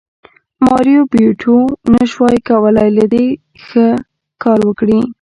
ماریو بیوټو نشوای کولی له دې ښه کار وکړي